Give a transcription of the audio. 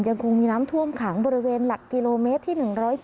ยังคงมีน้ำท่วมขังบริเวณหลักกิโลเมตรที่๑๗